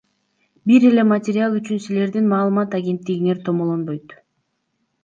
Бир эле материал үчүн силердин маалымат агенттигиңер томолонбойт.